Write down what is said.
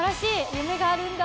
夢があるんだ。